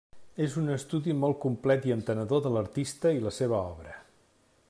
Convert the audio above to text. És un estudi molt complet i entenedor de l'artista i la seva obra.